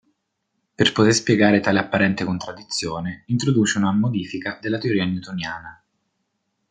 Per poter spiegare tale apparente contraddizione, introduce una modifica della teoria newtoniana.